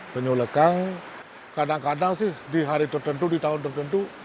penyu lekang kadang kadang sih di hari tertentu di tahun tertentu